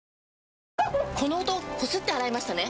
この音こすって洗いましたね？